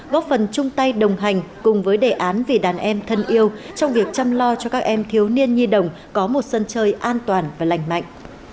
góp phần chung tay đồng hành cùng với đề án vì đàn em thân yêu trong việc chăm lo cho các em thiếu niên nhi đồng có một sân chơi an toàn và lành mạnh